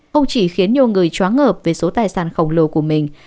không chỉ khiến nhiều người chóng ngợp về số tài sản khổng lồ của mình